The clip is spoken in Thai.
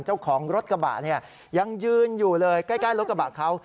เจ้าของรถกระบะเนี่ยยังยืนอยู่เลยใกล้รถกระบะเขา